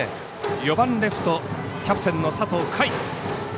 ４番レフトキャプテンの佐藤海。